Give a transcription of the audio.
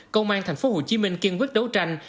công an thành phố hồ chí minh kiên quyết đấu tranh